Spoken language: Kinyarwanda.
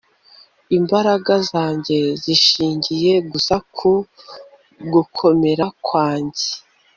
imbaraga zanjye zishingiye gusa ku gukomera kwanjye